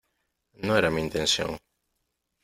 No era mi intención .